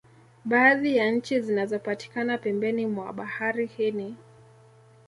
Baadhi ya nchi zinazopatikana pembeni mwa bahari hii ni